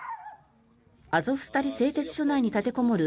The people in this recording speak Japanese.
アゾフスタリ製鉄所内に立てこもる